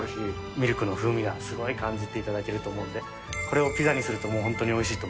ミルクの風味がすごく感じていただけると思うので、これをピザにするともう本当においしいと